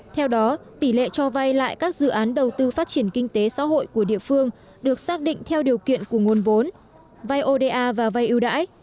theo đó tỷ lệ cho vay lại các dự án đầu tư phát triển kinh tế xã hội của địa phương được xác định theo điều kiện của nguồn vốn vay oda và vay ưu đãi